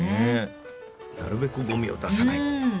なるべくゴミを出さないって。